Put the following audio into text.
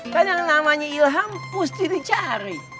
kan yang namanya ilham mesti dicari